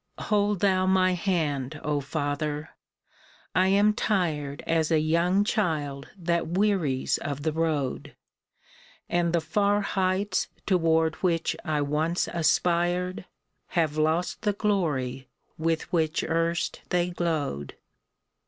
Hold thou my hand, O Father ! I am tired As a young child that wearies of the road ; And the far heights toward which I once aspired Have lost the glory with which erst they glowed.